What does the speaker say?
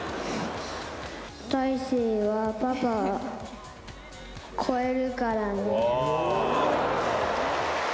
大誠はパパ超えるからね。